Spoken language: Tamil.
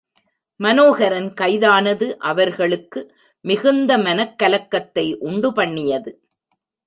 மனோகரன் கைதானது அவர்களுக்கு மிகுந்த மனக் கலக்கத்தை உண்டு பண்ணியது.